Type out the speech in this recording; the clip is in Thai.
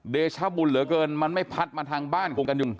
เดชบุลเหลือเกินมันไม่พัดมาทางบ้าน